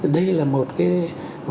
đây là một cái